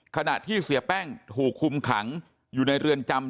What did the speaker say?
ขณะที่เสียแป้งถูกคุมขังอยู่ในเรือนจำ